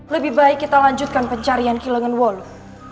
lebih baik kita lanjutkan pencarian kilengen walu